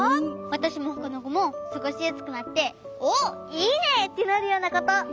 わたしもほかのこもすごしやすくなって「おっいいね！」ってなるようなこと。